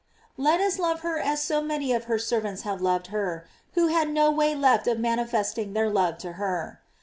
Let us love her as so many of her servants have loved her, who had no way left of manifest ing their love to her.